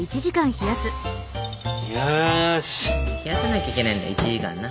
冷やさなきゃいけないんだ１時間な。